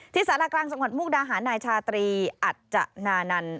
สารกลางจังหวัดมุกดาหารนายชาตรีอัจจนานันต์